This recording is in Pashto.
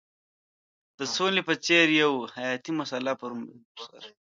د سولې په څېر یوه حیاتي مسله پر سر.